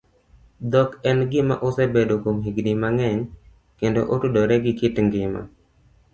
Dhok en gima osebedoe kuom higini mang'eny kendo otudore gi kit ngima